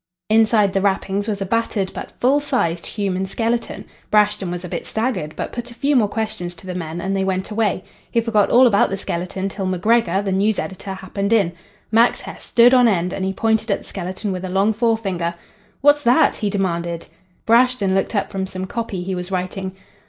"Inside the wrappings was a battered but full sized human skeleton. Brashton was a bit staggered, but put a few more questions to the men, and they went away. He forgot all about the skeleton till M'Gregor, the news editor, happened in. Mac's hair stood on end, and he pointed at the skeleton with a long forefinger. "'What's that?' he demanded. "Brashton looked up from some copy he was writing.